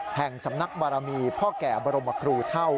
แห่งสำนักบารมีพ่อแก่บรมครูเท่า